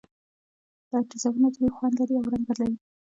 تیزابونه تریو خوند لري او رنګ بدلوي.